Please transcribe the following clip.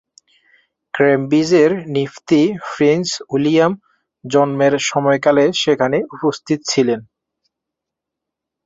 Cambridge এর নৃপতি, prince William জন্মের সময়কালে সেখানে উপস্থিত ছিলেন।